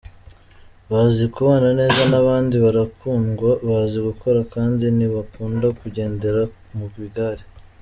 Bazi kubana neza n’abandi, barakundwa, bazi gukora kandi ntibakunda kugendera mu bigare.